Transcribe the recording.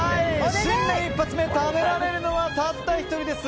新年一発目食べられるのはたった１人です。